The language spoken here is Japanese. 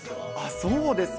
そうですか。